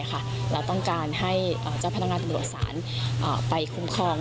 เราต้องการให้เจ้าพนักงานตำรวจสารไปคุ้มครอง